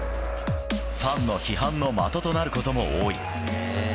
ファンの批判の的となることも多い。